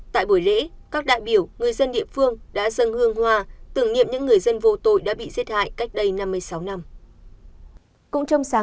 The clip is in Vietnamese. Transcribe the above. tại buổi lễ các đại biểu người dân địa phương đã dân hương hòa tưởng nghiệm những người dân vô tội đã bị giết hại cách đây năm mươi sáu năm